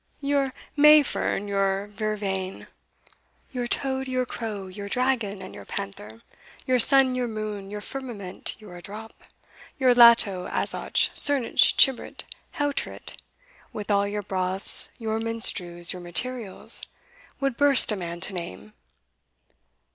your Mayfern, your vervain, Your toad, your crow, your dragon, and your panther, Your sun, your moon, your firmament, your adrop, Your Lato, Azoch, Zernich, Chibrit, Heautarit, With all your broths, your menstrues, your materials, Would burst a man to name?